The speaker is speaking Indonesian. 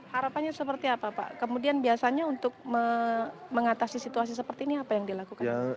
harapannya seperti apa pak kemudian biasanya untuk mengatasi situasi seperti ini apa yang dilakukan